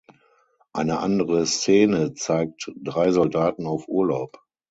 Eine andere Szene zeigt drei Soldaten auf Urlaub.